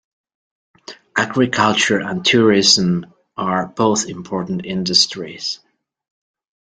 Agriculture and tourism are both important industries.